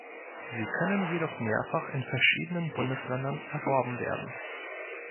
Sie können jedoch mehrfach in verschiedenen Bundesländern erworben werden.